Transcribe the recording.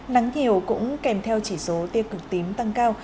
nắng nhiều cũng kèm theo chỉ số tiêu cực tím tăng cao